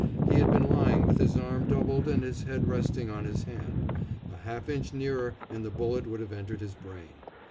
He had been lying with his arm doubled and his head resting on his hand. A half inch nearer and the bullet would have entered his brain.